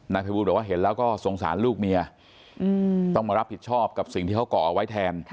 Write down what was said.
ภัยบูลบอกว่าเห็นแล้วก็สงสารลูกเมียต้องมารับผิดชอบกับสิ่งที่เขาก่อไว้แทน